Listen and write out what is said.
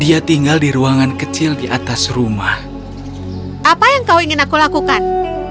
dia tinggal di ruangan kecil di atas rumah apa yang kau ingin aku lakukan